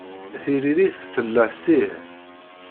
Tiririt tella s ih.